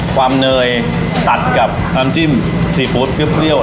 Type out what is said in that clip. เนยตัดกับน้ำจิ้มซีฟู้ดเปรี้ยว